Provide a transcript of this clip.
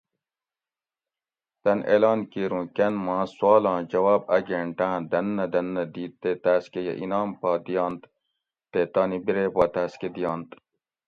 تن اعلان کیر اوں کن ما سوالاں جواب ا گھنٹآۤں دننہ دننہ دِیت تے تاۤس کہ یہ انعام پا دئنت تے تانی بِرے پا تاۤس کہ دئینت